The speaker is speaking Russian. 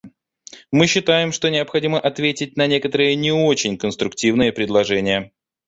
Мы считаем, что необходимо ответить на некоторые не очень конструктивные предложения.